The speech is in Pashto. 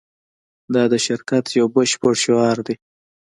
دا د شرکت یو بشپړ شعار دی